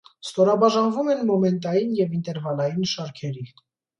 Ստորաբաժանվում են մոմենտային և ինտերվալային շարքերի։